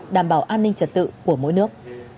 đảm bảo an ninh trật tự của mỗi nước